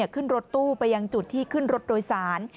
ขึ้นรถตู้ไปยังจุดที่ขึ้นรถโดยสาร